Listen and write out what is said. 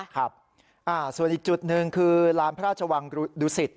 ครับส่วนอีกจุดหนึ่งคือลานพระราชวังดุสิต